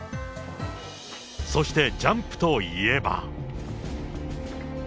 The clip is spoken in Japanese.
そしてジャンプといえば。